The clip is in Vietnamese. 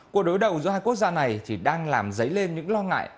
cuộc đối đầu giữa hai quốc gia này thì đang làm dấy lên những lo ngại